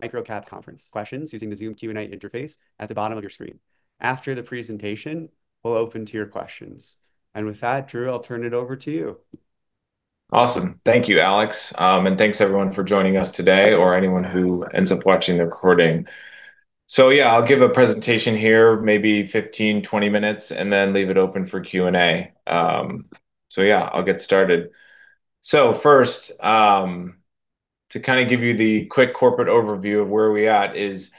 Microcap Conference questions using the Zoom Q&A interface at the bottom of your screen. After the presentation, we'll open to your questions. With that, Drew, I'll turn it over to you. Awesome. Thank you, Alex, and thanks everyone for joining us today or anyone who ends up watching the recording. Yeah, I'll give a presentation here, maybe 15-20 minutes, and then leave it open for Q&A. Yeah, I'll get started. First, to give you the quick corporate overview of where we at is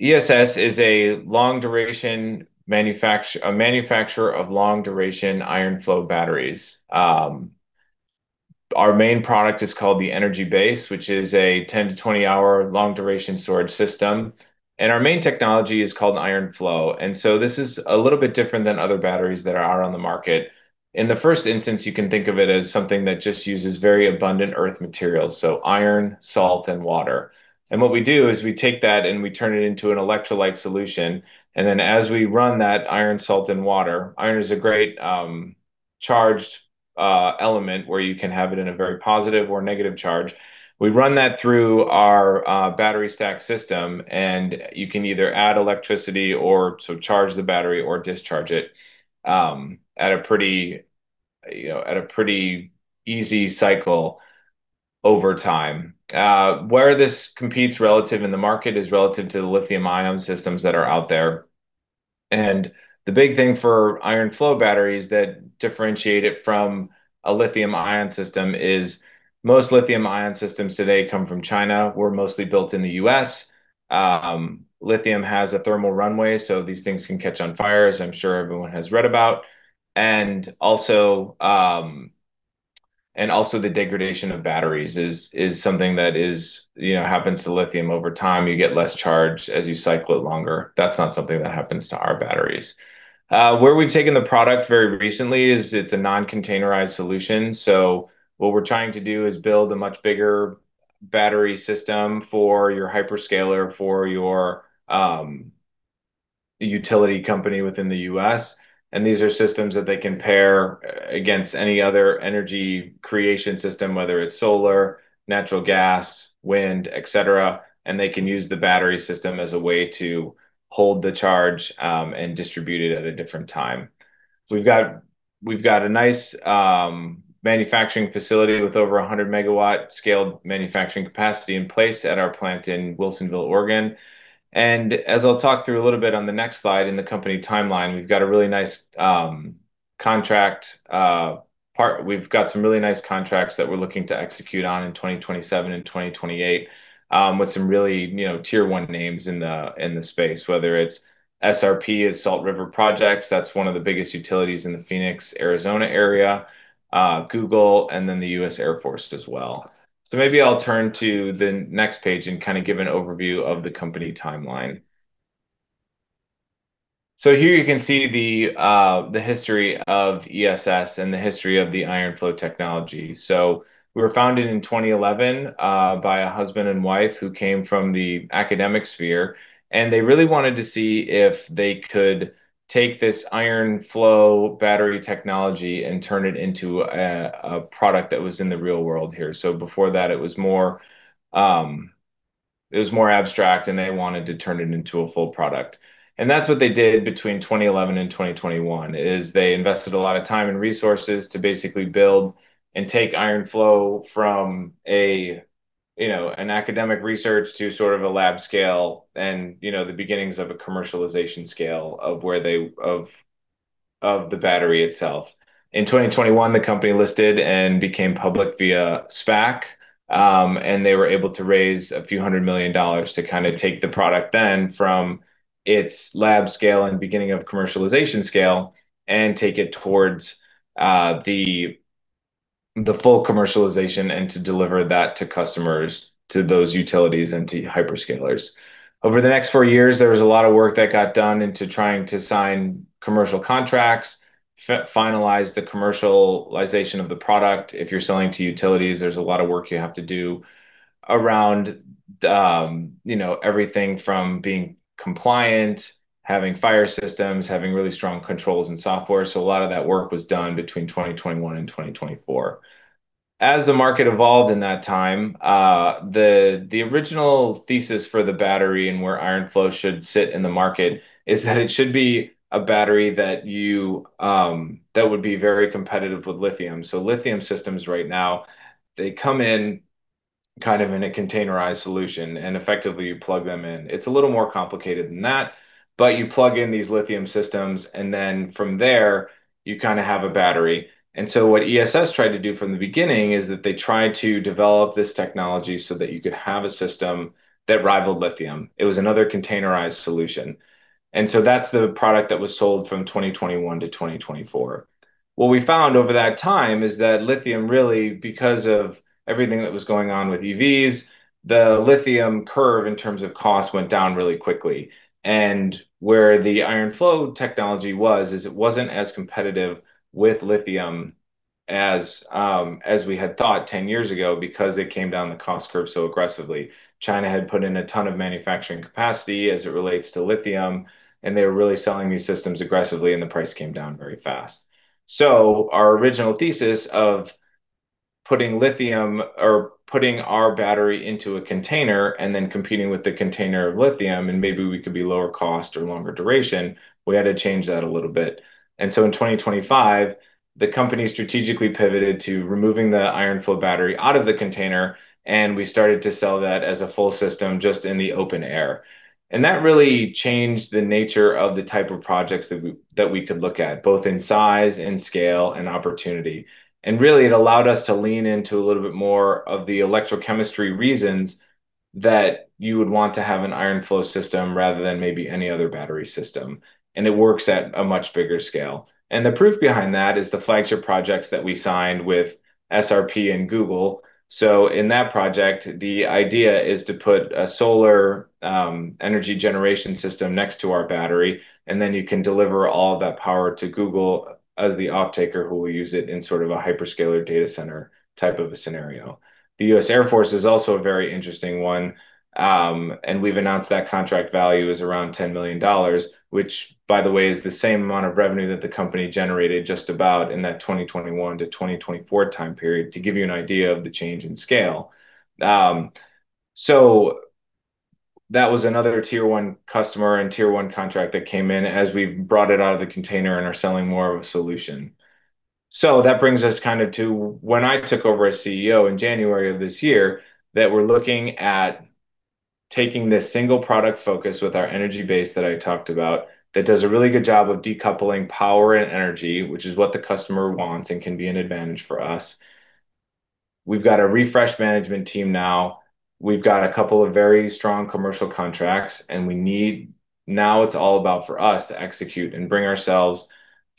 ESS is a manufacturer of long-duration iron flow batteries. Our main product is called the Energy Base, which is a 10-20-hour long-duration storage system. Our main technology is called iron flow, and so this is a little bit different than other batteries that are out on the market. In the first instance, you can think of it as something that just uses very abundant earth materials, so iron, salt, and water. What we do is we take that and we turn it into an electrolyte solution, then as we run that iron, salt, and water, iron is a great charged element where you can have it in a very positive or negative charge. We run that through our battery stack system, you can either add electricity or charge the battery or discharge it at a pretty easy cycle over time. Where this competes relative in the market is relative to the lithium-ion systems that are out there. The big thing for iron flow batteries that differentiate it from a lithium-ion system is most lithium-ion systems today come from China, we're mostly built in the U.S. Lithium has a thermal runaway, so these things can catch on fire, as I'm sure everyone has read about. Also, the degradation of batteries is something that happens to lithium-ion over time. You get less charge as you cycle it longer. That's not something that happens to our batteries. Where we've taken the product very recently is it's a non-containerized solution. What we're trying to do is build a much bigger battery system for your hyperscaler, for your utility company within the U.S. These are systems that they can pair against any other energy creation system, whether it's solar, natural gas, wind, et cetera, and they can use the battery system as a way to hold the charge and distribute it at a different time. We've got a nice manufacturing facility with over 100 MW scaled manufacturing capacity in place at our plant in Wilsonville, Oregon. As I'll talk through a little bit on the next slide in the company timeline, we've got some really nice contracts that we're looking to execute on in 2027 and 2028, with some really Tier 1 names in the space, whether it's SRP, it's Salt River Project, that's one of the biggest utilities in the Phoenix, Arizona area, Google, and then the U.S. Air Force as well. Maybe I'll turn to the next page and give an overview of the company timeline. Here you can see the history of ESS and the history of the iron flow technology. We were founded in 2011 by a husband and wife who came from the academic sphere, and they really wanted to see if they could take this iron flow battery technology and turn it into a product that was in the real world here. Before that, it was more abstract, and they wanted to turn it into a full product. That's what they did between 2011 and 2021, is they invested a lot of time and resources to basically build and take iron flow from an academic research to sort of a lab scale and the beginnings of a commercialization scale of the battery itself. In 2021, the company listed and became public via SPAC, and they were able to raise a few hundred million dollars to take the product then from its lab scale and beginning of commercialization scale and take it towards the full commercialization and to deliver that to customers, to those utilities, and to hyperscalers. Over the next four years, there was a lot of work that got done into trying to sign commercial contracts, finalize the commercialization of the product. If you're selling to utilities, there's a lot of work you have to do around everything from being compliant, having fire systems, having really strong controls and software. A lot of that work was done between 2021 and 2024. As the market evolved in that time, the original thesis for the battery and where iron flow should sit in the market is that it should be a battery that would be very competitive with lithium. Lithium systems right now, they come in a containerized solution, and effectively you plug them in. It's a little more complicated than that, you plug in these lithium systems, and then from there, you have a battery. What ESS tried to do from the beginning is that they tried to develop this technology so that you could have a system that rivaled lithium. It was another containerized solution. That's the product that was sold from 2021 to 2024. What we found over that time is that lithium, really, because of everything that was going on with EVs, the lithium curve in terms of cost went down really quickly. Where the iron flow technology was, is it wasn't as competitive with lithium as we had thought 10 years ago because it came down the cost curve so aggressively. China had put in a ton of manufacturing capacity as it relates to lithium, and they were really selling these systems aggressively, and the price came down very fast. Our original thesis of putting lithium or putting our battery into a container and then competing with the container of lithium, and maybe we could be lower cost or longer duration, we had to change that a little bit. In 2025, the company strategically pivoted to removing the iron flow battery out of the container, and we started to sell that as a full system just in the open air. That really changed the nature of the type of projects that we could look at, both in size and scale and opportunity. Really, it allowed us to lean into a little bit more of the electrochemistry reasons that you would want to have an iron flow system rather than maybe any other battery system. It works at a much bigger scale. The proof behind that is the flagship projects that we signed with SRP and Google. In that project, the idea is to put a solar energy generation system next to our battery, and then you can deliver all that power to Google as the offtaker who will use it in sort of a hyperscaler data center type of a scenario. The U.S. Air Force is also a very interesting one, and we've announced that contract value is around $10 million, which by the way, is the same amount of revenue that the company generated just about in that 2021 to 2024 time period, to give you an idea of the change in scale. That was another Tier 1 customer and Tier 1 contract that came in as we've brought it out of the container and are selling more of a solution. That brings us to when I took over as CEO in January of this year, that we're looking at taking this single product focus with our Energy Base that I talked about that does a really good job of decoupling power and energy, which is what the customer wants and can be an advantage for us. We've got a refreshed management team now. We've got a couple of very strong commercial contracts, now it's all about for us to execute and bring ourselves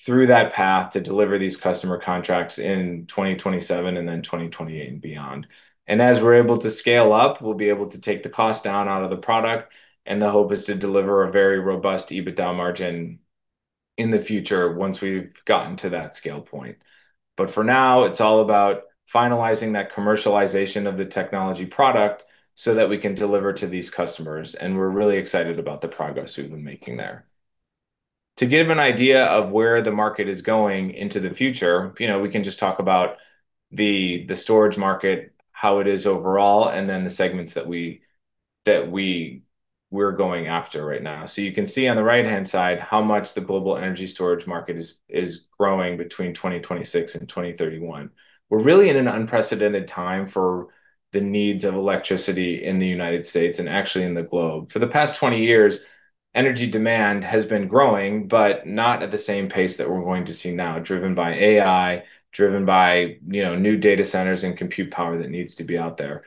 through that path to deliver these customer contracts in 2027 and then 2028 and beyond. As we're able to scale up, we'll be able to take the cost down out of the product, and the hope is to deliver a very robust EBITDA margin in the future once we've gotten to that scale point. For now, it's all about finalizing that commercialization of the technology product so that we can deliver to these customers, and we're really excited about the progress we've been making there. To give an idea of where the market is going into the future, we can just talk about the storage market, how it is overall, and then the segments that we're going after right now. You can see on the right-hand side how much the global energy storage market is growing between 2026 and 2031. We're really in an unprecedented time for the needs of electricity in the United States and actually in the globe. For the past 20 years, energy demand has been growing, but not at the same pace that we're going to see now, driven by AI, driven by new data centers and compute power that needs to be out there.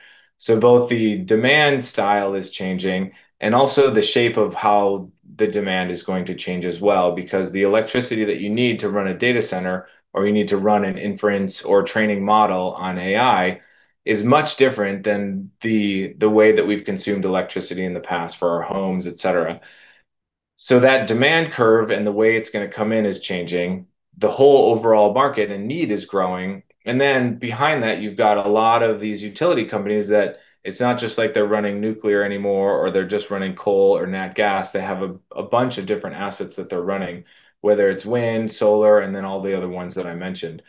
Both the demand style is changing and also the shape of how the demand is going to change as well, because the electricity that you need to run a data center or you need to run an inference or training model on AI is much different than the way that we've consumed electricity in the past for our homes, et cetera. That demand curve and the way it's going to come in is changing. The whole overall market and need is growing. Behind that, you've got a lot of these utility companies that it's not just like they're running nuclear anymore, or they're just running coal or nat gas. They have a bunch of different assets that they're running, whether it's wind, solar, and then all the other ones that I mentioned.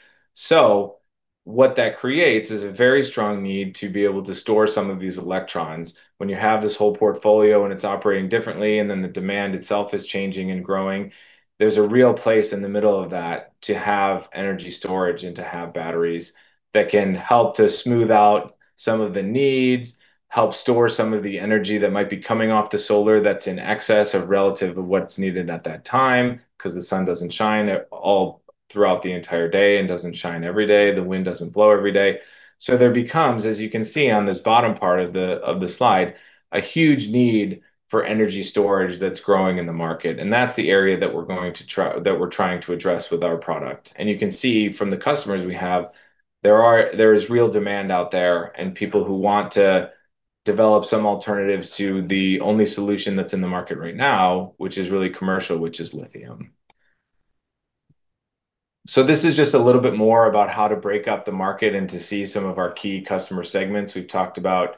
What that creates is a very strong need to be able to store some of these electrons. When you have this whole portfolio and it's operating differently, and then the demand itself is changing and growing, there's a real place in the middle of that to have energy storage and to have batteries that can help to smooth out some of the needs, help store some of the energy that might be coming off the solar that's in excess of relative of what's needed at that time, because the sun doesn't shine all throughout the entire day and doesn't shine every day. The wind doesn't blow every day. There becomes, as you can see on this bottom part of the slide, a huge need for energy storage that's growing in the market, and that's the area that we're trying to address with our product. You can see from the customers we have, there is real demand out there and people who want to develop some alternatives to the only solution that's in the market right now, which is really commercial, which is lithium-ion. This is just a little bit more about how to break up the market and to see some of our key customer segments. We've talked about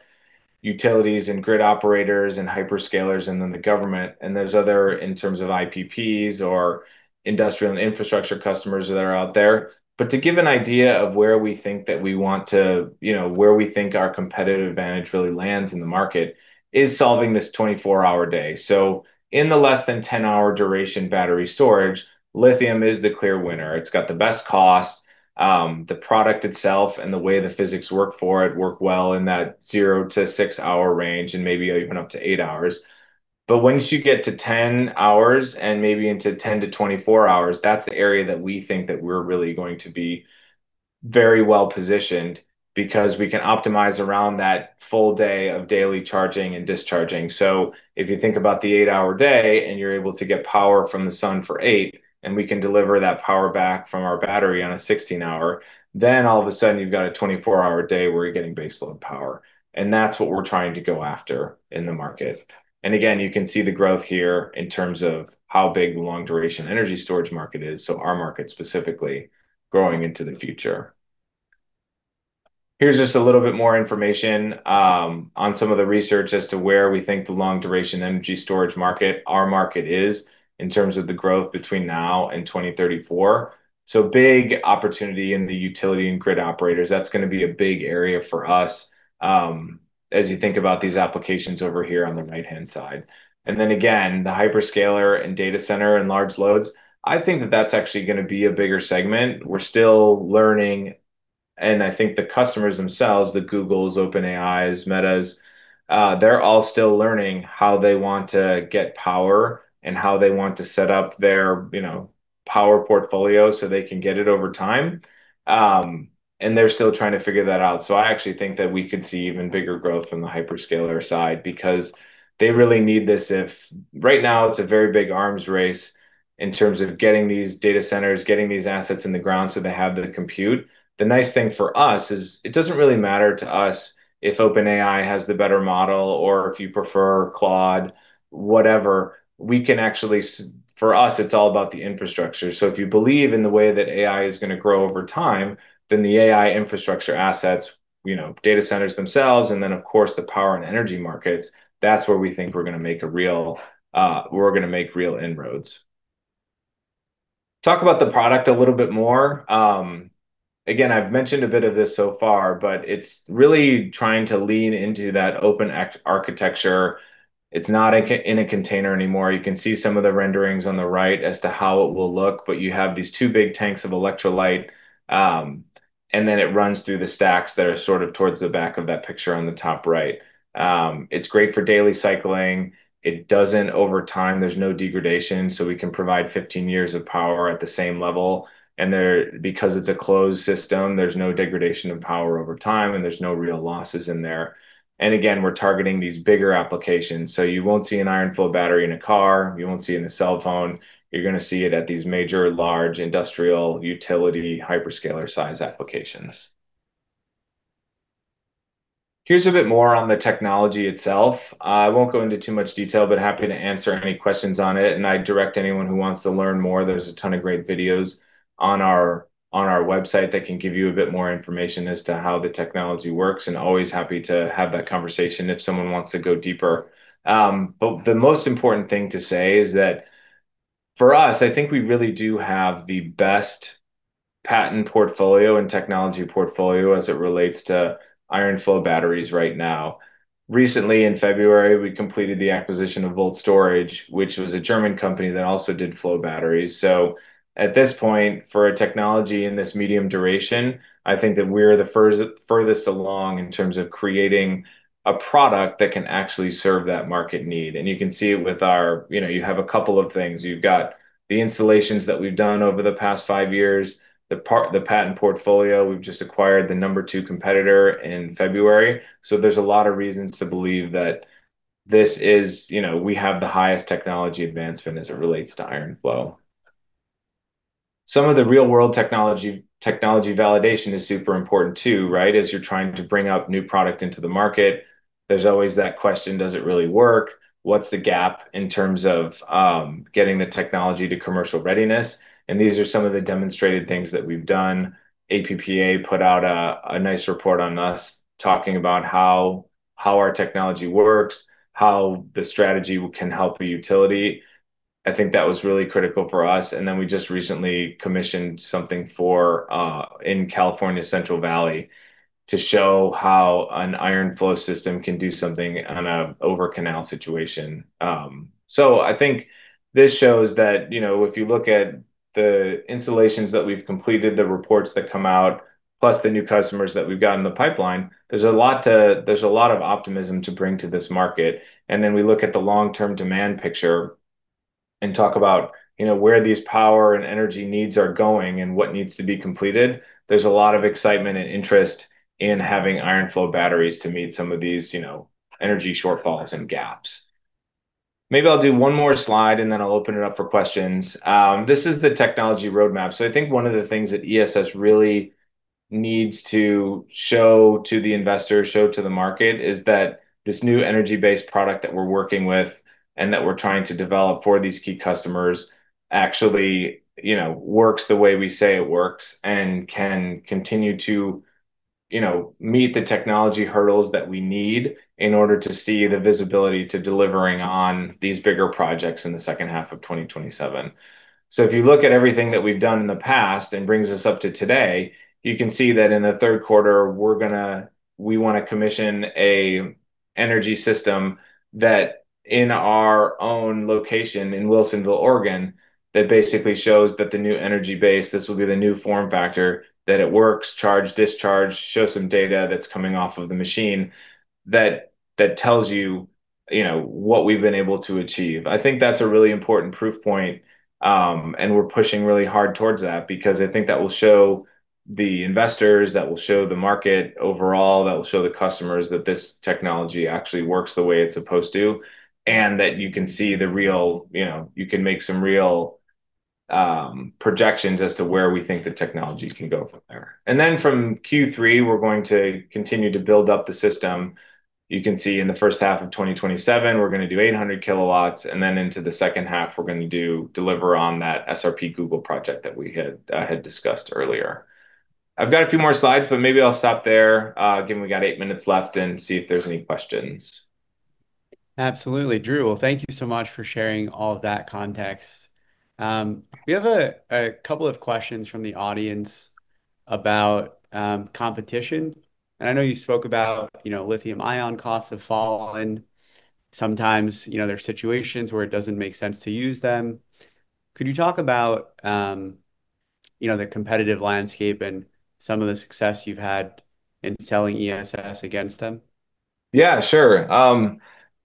utilities and grid operators and hyperscalers, and then the government, and there's other in terms of IPPs or industrial and infrastructure customers that are out there. To give an idea of where we think our competitive advantage really lands in the market is solving this 24-hour day. In the less than 10-hour duration battery storage, lithium-ion is the clear winner. It's got the best cost. The product itself and the way the physics work for it work well in that zero to six-hour range, and maybe even up to eight hours. Once you get to 10 hours and maybe into 10 to 24 hours, that's the area that we think that we're really going to be very well positioned because we can optimize around that full day of daily charging and discharging. If you think about the eight-hour day and you're able to get power from the sun for eight, and we can deliver that power back from our battery on a 16-hour, all of a sudden you've got a 24-hour day where you're getting base load power, and that's what we're trying to go after in the market. Again, you can see the growth here in terms of how big the long-duration energy storage market is, our market specifically growing into the future. Here's just a little bit more information on some of the research as to where we think the long-duration energy storage market, our market is, in terms of the growth between now and 2034. Big opportunity in the utility and grid operators. That's going to be a big area for us, as you think about these applications over here on the right-hand side. Again, the hyperscaler and data center and large loads, I think that that's actually going to be a bigger segment. We're still learning, and I think the customers themselves, the Googles, OpenAIs, Metas, they're all still learning how they want to get power and how they want to set up their power portfolio so they can get it over time, and they're still trying to figure that out. I actually think that we could see even bigger growth from the hyperscaler side, because they really need this. Right now, it's a very big arms race in terms of getting these data centers, getting these assets in the ground so they have the compute. The nice thing for us is it doesn't really matter to us if OpenAI has the better model, or if you prefer Claude, whatever. For us, it's all about the infrastructure. If you believe in the way that AI is going to grow over time, the AI infrastructure assets, data centers themselves, and then, of course, the power and energy markets, that's where we think we're going to make real inroads. Talk about the product a little bit more. I've mentioned a bit of this so far, it's really trying to lean into that open architecture. It's not in a container anymore. You can see some of the renderings on the right as to how it will look. You have these two big tanks of electrolyte, it runs through the stacks that are towards the back of that picture on the top right. It's great for daily cycling. Over time, there's no degradation, we can provide 15 years of power at the same level. Because it's a closed system, there's no degradation of power over time, and there's no real losses in there. Again, we're targeting these bigger applications. You won't see an iron flow battery in a car, you won't see it in a cell phone. You're going to see it at these major, large industrial, utility, hyperscaler size applications. Here's a bit more on the technology itself. I won't go into too much detail, but happy to answer any questions on it. I direct anyone who wants to learn more, there's a ton of great videos on our website that can give you a bit more information as to how the technology works. Always happy to have that conversation if someone wants to go deeper. The most important thing to say is that for us, I think we really do have the best patent portfolio and technology portfolio as it relates to iron flow batteries right now. Recently, in February, we completed the acquisition of VoltStorage, which was a German company that also did flow batteries. At this point, for a technology in this medium duration, I think that we're the furthest along in terms of creating a product that can actually serve that market need. You have a couple of things. You've got the installations that we've done over the past five years, the patent portfolio. We've just acquired the number two competitor in February. There's a lot of reasons to believe that we have the highest technology advancement as it relates to iron flow. Some of the real-world technology validation is super important, too. As you're trying to bring out new product into the market, there's always that question, does it really work? What's the gap in terms of getting the technology to commercial readiness? These are some of the demonstrated things that we've done. APPA put out a nice report on us, talking about how our technology works, how the strategy can help a utility. I think that was really critical for us. Then we just recently commissioned something in California Central Valley to show how an iron flow system can do something on a over-canal situation. I think this shows that, if you look at the installations that we've completed, the reports that come out, plus the new customers that we've got in the pipeline, there's a lot of optimism to bring to this market. Then we look at the long-term demand picture and talk about where these power and energy needs are going and what needs to be completed. There's a lot of excitement and interest in having iron flow batteries to meet some of these energy shortfalls and gaps. Maybe I'll do one more slide, and then I'll open it up for questions. This is the technology roadmap. I think one of the things that ESS really needs to show to the investors, show to the market, is that this new Energy Base product that we're working with and that we're trying to develop for these key customers actually works the way we say it works, and can continue to meet the technology hurdles that we need in order to see the visibility to delivering on these bigger projects in the second half of 2027. If you look at everything that we've done in the past and brings us up to today, you can see that in the third quarter, we want to commission a energy system in our own location in Wilsonville, Oregon, that basically shows that the new Energy Base, this will be the new form factor, that it works, charge, discharge, shows some data that's coming off of the machine, that tells you what we've been able to achieve. I think that's a really important proof point, and we're pushing really hard towards that, because I think that will show the investors, that will show the market overall, that will show the customers that this technology actually works the way it's supposed to, and that you can make some real projections as to where we think the technology can go from there. Then from Q3, we're going to continue to build up the system. You can see in the first half of 2027, we're going to do 800 kW, and then into the second half, we're going to deliver on that SRP Google project that we had discussed earlier. I've got a few more slides, but maybe I'll stop there, given we got eight minutes left, and see if there's any questions Absolutely. Drew, well, thank you so much for sharing all of that context. We have a couple of questions from the audience about competition. I know you spoke about lithium-ion costs have fallen. Sometimes, there are situations where it doesn't make sense to use them. Could you talk about the competitive landscape and some of the success you've had in selling ESS against them? Yeah, sure.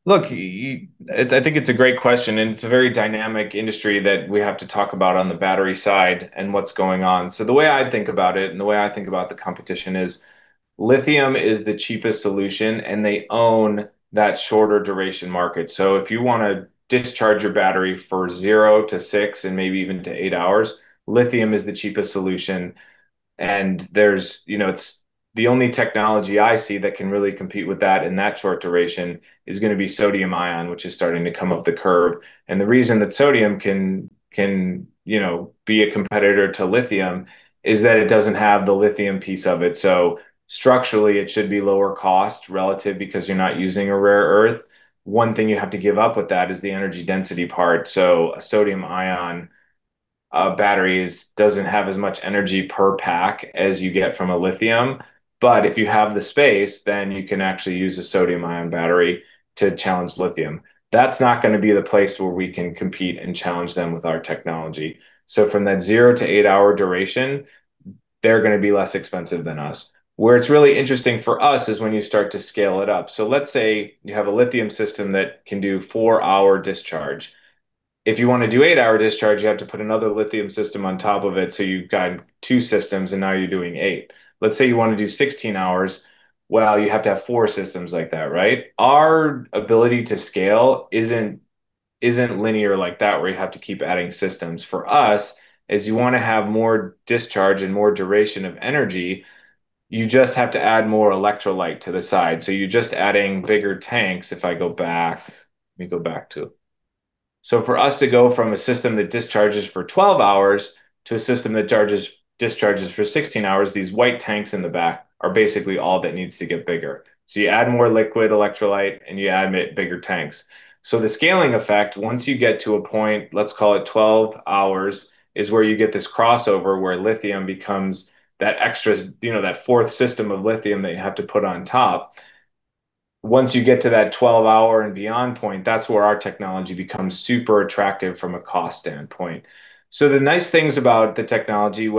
Look, I think it's a great question, and it's a very dynamic industry that we have to talk about on the battery side and what's going on. The way I think about it and the way I think about the competition is lithium is the cheapest solution, and they own that shorter duration market. If you want to discharge your battery for zero to six and maybe even to eight hours, lithium is the cheapest solution. The only technology I see that can really compete with that in that short duration is going to be sodium-ion, which is starting to come up the curve. The reason that sodium can be a competitor to lithium is that it doesn't have the lithium piece of it. Structurally, it should be lower cost relative because you're not using a rare earth. One thing you have to give up with that is the energy density part. A sodium-ion battery doesn't have as much energy per pack as you get from a lithium-ion. If you have the space, then you can actually use a sodium-ion battery to challenge lithium-ion. That's not going to be the place where we can compete and challenge them with our technology. From that zero to eight-hour duration, they're going to be less expensive than us. Where it's really interesting for us is when you start to scale it up. Let's say you have a lithium-ion system that can do four-hour discharge. If you want to do eight-hour discharge, you have to put another lithium-ion system on top of it, so you've got two systems, and now you're doing eight. Let's say you want to do 16 hours. Well, you have to have four systems like that, right? Our ability to scale isn't linear like that where you have to keep adding systems. For us, as you want to have more discharge and more duration of energy, you just have to add more electrolyte to the side. You're just adding bigger tanks. If I go back, let me go back, too. For us to go from a system that discharges for 12 hours to a system that discharges for 16 hours, these white tanks in the back are basically all that needs to get bigger. You add more liquid electrolyte, and you add bigger tanks. The scaling effect, once you get to a point, let's call it 12 hours, is where you get this crossover where lithium becomes that extra, that fourth system of lithium that you have to put on top. Once you get to that 12-hour and beyond point, that's where our technology becomes super attractive from a cost standpoint. The nice things about the technology,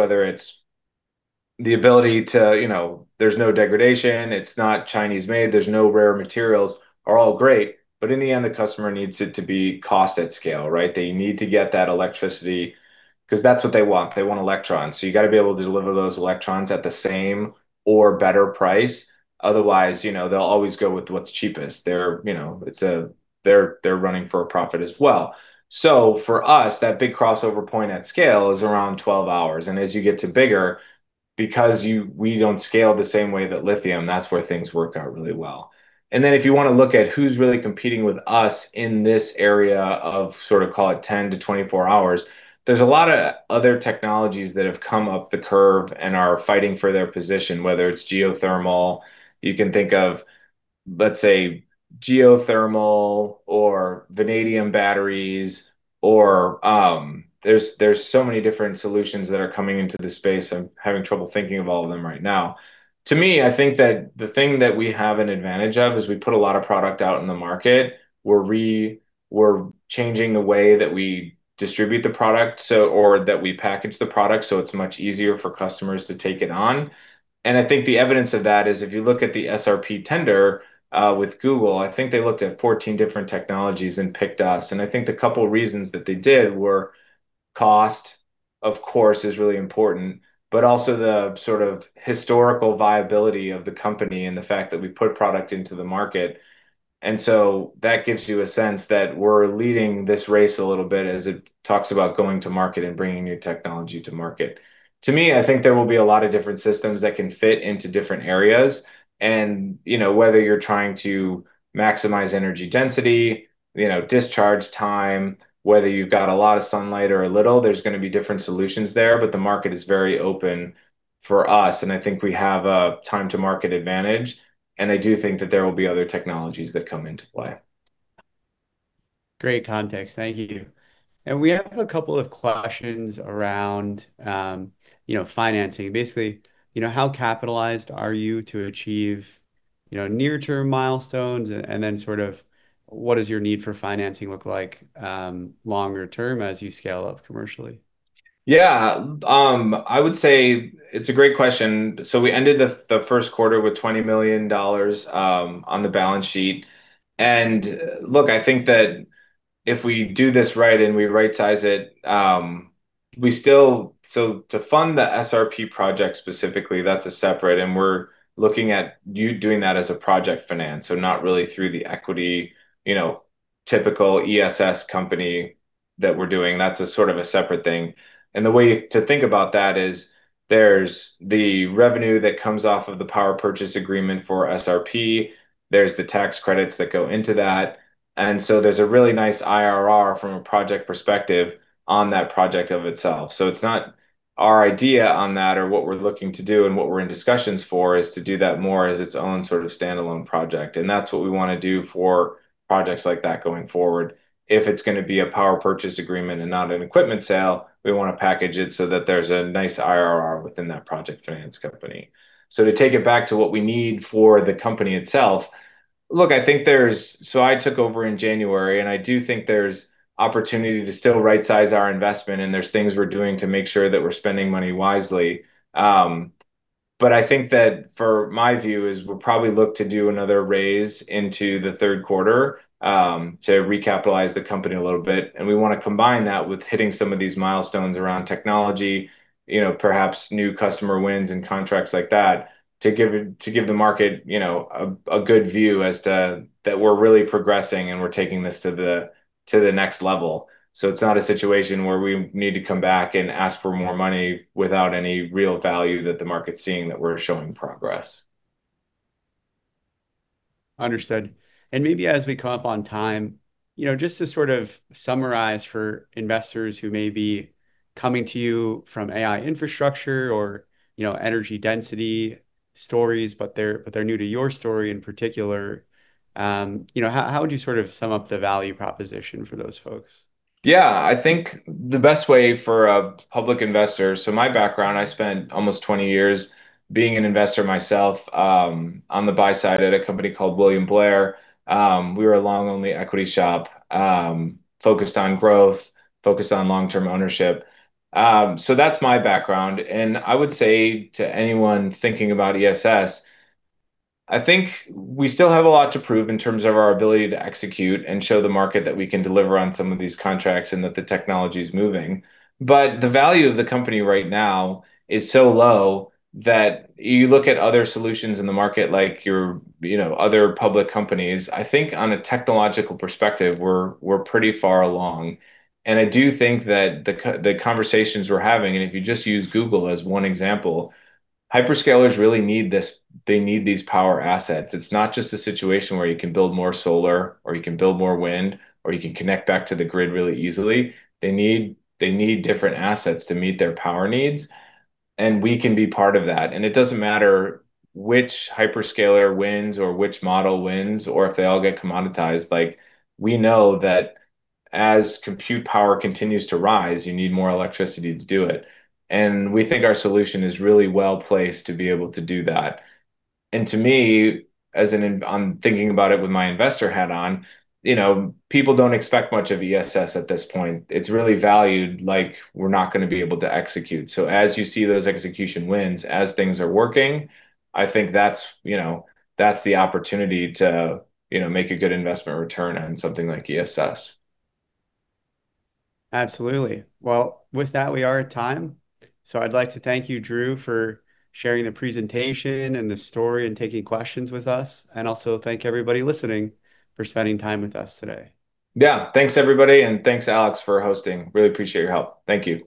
there's no degradation, it's not Chinese-made, there's no rare materials are all great. In the end, the customer needs it to be cost at scale, right? They need to get that electricity because that's what they want. They want electrons. You got to be able to deliver those electrons at the same or better price. Otherwise, they'll always go with what's cheapest. They're running for a profit as well. For us, that big crossover point at scale is around 12 hours. As you get to bigger, because we don't scale the same way that lithium-ion, that's where things work out really well. If you want to look at who's really competing with us in this area of sort of, call it 10-24 hours, there's a lot of other technologies that have come up the curve and are fighting for their position, whether it's geothermal. You can think of, let's say, geothermal or vanadium batteries, or there's so many different solutions that are coming into this space. I'm having trouble thinking of all of them right now. To me, I think that the thing that we have an advantage of is we put a lot of product out in the market. We're changing the way that we distribute the product, or that we package the product, so it's much easier for customers to take it on. I think the evidence of that is if you look at the SRP tender, with Google, I think they looked at 14 different technologies and picked us. I think the couple of reasons that they did were cost, of course, is really important, but also the sort of historical viability of the company and the fact that we put product into the market. That gives you a sense that we're leading this race a little bit as it talks about going to market and bringing new technology to market. To me, I think there will be a lot of different systems that can fit into different areas, and whether you're trying to maximize energy density, discharge time, whether you've got a lot of sunlight or a little, there's going to be different solutions there, but the market is very open for us, and I think we have a time to market advantage, and I do think that there will be other technologies that come into play. Great context. Thank you. We have a couple of questions around financing. Basically, how capitalized are you to achieve near-term milestones, and then sort of what does your need for financing look like longer-term as you scale up commercially? Yeah. I would say it's a great question. We ended the first quarter with $20 million on the balance sheet. Look, I think that if we do this right and we rightsize it, so to fund the SRP project specifically, that's a separate, and we're looking at you doing that as a project finance, so not really through the equity, typical ESS company that we're doing. That's a sort of a separate thing. The way to think about that is there's the revenue that comes off of the power purchase agreement for SRP. There's the tax credits that go into that. There's a really nice IRR from a project perspective on that project of itself. It's not our idea on that or what we're looking to do, what we're in discussions for is to do that more as its own standalone project, that's what we want to do for projects like that going forward. If it's going to be a power purchase agreement and not an equipment sale, we want to package it so that there's a nice IRR within that project finance company. To take it back to what we need for the company itself, I took over in January, I do think there's opportunity to still right-size our investment, there's things we're doing to make sure that we're spending money wisely. I think that for my view is we'll probably look to do another raise into the third quarter, to recapitalize the company a little bit. We want to combine that with hitting some of these milestones around technology, perhaps new customer wins and contracts like that to give the market a good view as to that we're really progressing and we're taking this to the next level. It's not a situation where we need to come back and ask for more money without any real value that the market's seeing that we're showing progress. Understood. Maybe as we come up on time, just to sort of summarize for investors who may be coming to you from AI infrastructure or energy density stories, but they're new to your story in particular, how would you sort of sum up the value proposition for those folks? Yeah. I think the best way for a public investor, so my background, I spent almost 20 years being an investor myself, on the buy side at a company called William Blair. We were a long-only equity shop, focused on growth, focused on long-term ownership. That's my background. I would say to anyone thinking about ESS, I think we still have a lot to prove in terms of our ability to execute and show the market that we can deliver on some of these contracts and that the technology's moving. The value of the company right now is so low that you look at other solutions in the market, like your other public companies. I think on a technological perspective, we're pretty far along. I do think that the conversations we're having, if you just use Google as one example, hyperscalers really need these power assets. It's not just a situation where you can build more solar or you can build more wind, you can connect back to the grid really easily. They need different assets to meet their power needs. We can be part of that. It doesn't matter which hyperscaler wins or which model wins, if they all get commoditized. We know that as compute power continues to rise, you need more electricity to do it. We think our solution is really well-placed to be able to do that. To me, as in I'm thinking about it with my investor hat on, people don't expect much of ESS at this point. It's really valued like we're not going to be able to execute. As you see those execution wins, as things are working, I think that's the opportunity to make a good investment return on something like ESS. Absolutely. Well, with that, we are at time. I'd like to thank you, Drew, for sharing the presentation and the story and taking questions with us. Also thank everybody listening for spending time with us today. Yeah. Thanks everybody, and thanks Alex for hosting. Really appreciate your help. Thank you.